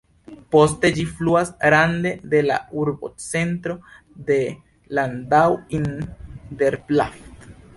Poste ĝi fluas rande de la urbocentro de Landau in der Pfalz.